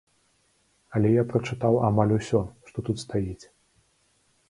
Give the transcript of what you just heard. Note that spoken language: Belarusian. Але я прачытаў амаль усё, што тут стаіць.